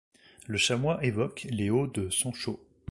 Le chamois évoque les hauts de Sonchaux.